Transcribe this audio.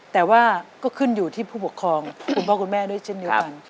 แต่ว่าก็ขึ้นอยู่ที่ผู้ปกครองคุณพ่อคุณแม่ด้วยเช่นเดียวกัน